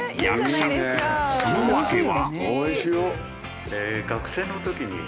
その訳は？